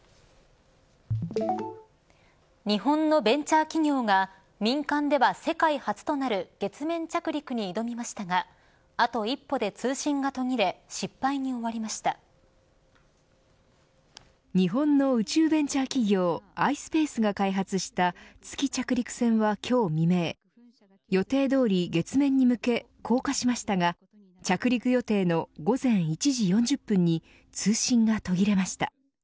日本のベンチャー企業が民間では世界初となる月面着陸に挑みましたがあと一歩で通信が途切れ日本の宇宙ベンチャー企業ｉｓｐａｃｅが開発した月着陸船は今日未明予定どおり月面に向け降下しましたが着陸予定の午前１時４０分に通信が途切れました。